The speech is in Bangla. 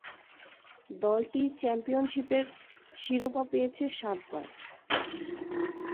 দলটি চ্যাম্পিয়নশীপের শিরোপা পেয়েছে সাতবার।